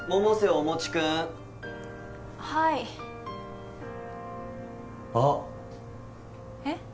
おもち君はいあっえっ？